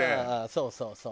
そうそうそう。